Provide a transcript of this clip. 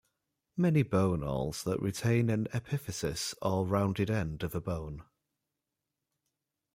Many bone awls that retain an epiphysis, or rounded end of a bone.